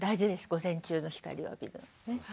午前中の光を浴びる。